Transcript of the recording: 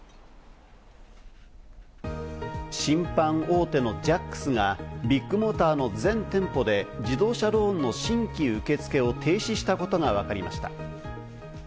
信販大手のジャックスがビッグモーターの全店舗で、自動車ローンの新規受け付けを停止したことがわかりました。